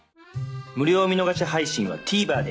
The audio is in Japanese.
無料見逃し配信は ＴＶｅｒ で。